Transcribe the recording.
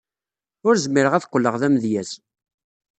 Ur zmireɣ ad qqleɣ d amedyaz.